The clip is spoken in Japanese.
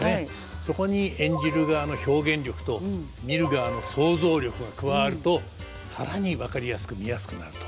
そこに演じる側の表現力と見る側の想像力が加わると更に分かりやすく見やすくなると。